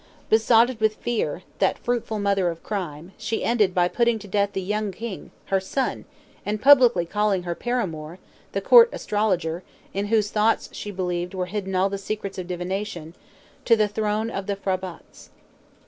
Besotted with fear, that fruitful mother of crime, she ended by putting to death the young king, her son, and publicly calling her paramour (the court astrologer, in whose thoughts, she believed, were hidden all the secrets of divination) to the throne of the P'hrabatts.